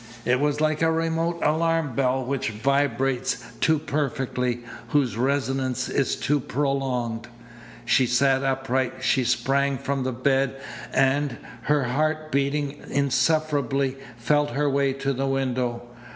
It was like a remote alarm bell which vibrates too perfectly, whose resonance is too prolonged. She sat upright. She sprang from the bed and, her heart beating insufferably, felt her way to the window.